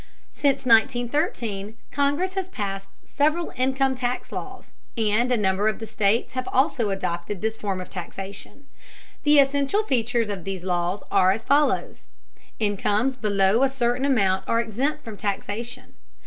Since 1913 Congress has passed several income tax laws, and a number of the states have also adopted this form of taxation. The essential features of these laws are as follows. Incomes below a certain amount are exempt from taxation.